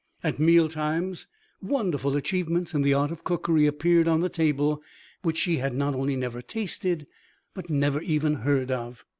At meal times, wonderful achievements in the art of cookery appeared on the table which she had not only never tasted, but never even heard of.